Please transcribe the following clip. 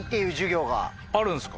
あるんすか？